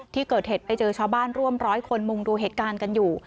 ที่เกิดเหตุไปเจอชาวบ้านร่วมร้อยคนมุงดูเหตุการณ์กันอยู่